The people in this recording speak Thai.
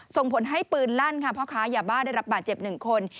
ส่งผลให้ปืนลั่นค่ะพ่อค้ายาบ้าได้รับบาดเจ็บ๑คน